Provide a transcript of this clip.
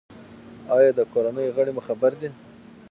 ایا د کورنۍ غړي مو خبر دي؟